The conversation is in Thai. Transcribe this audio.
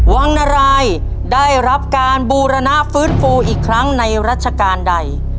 วังนารายได้รับการบูรณะฟื้นฟูอีกครั้งในรัชกาลใด